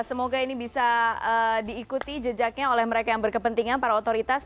semoga ini bisa diikuti jejaknya oleh mereka yang berkepentingan para otoritas